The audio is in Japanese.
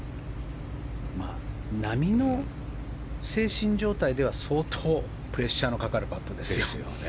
並の精神状態では相当、プレッシャーのかかるパットですよ。